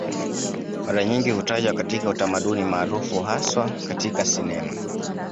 Mara nyingi hutajwa katika utamaduni maarufu haswa katika sinema